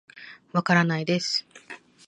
わからないです